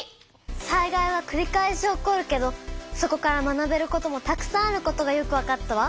災害はくり返し起こるけどそこから学べることもたくさんあることがよくわかったわ！